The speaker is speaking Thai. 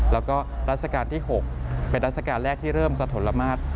แล้วก็รัชกาลที่๖เป็นราชการแรกที่เริ่มสะทนละมาตร